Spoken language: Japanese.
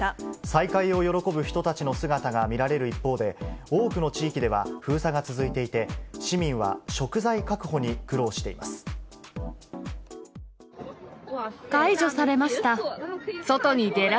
再会を喜ぶ人たちの姿が見られる一方で、多くの地域では、封鎖が続いていて、市民は食材確解除されました。